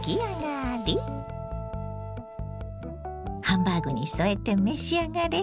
ハンバーグに添えて召し上がれ。